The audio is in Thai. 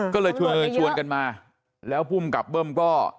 ก็เลยชวนกันมาแล้วภูมิกับเบิ้มก็